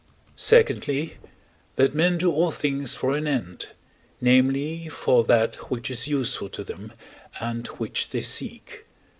Secondly, that men do all things for an end, namely, for that which is useful to them, and which they seek.